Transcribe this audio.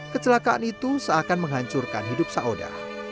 kecelakaan itu seakan menghancurkan hidup sauda